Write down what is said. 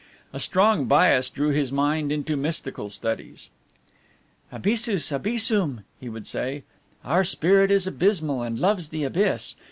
A strong bias drew his mind into mystical studies. "Abyssus abyssum," he would say. "Our spirit is abysmal and loves the abyss.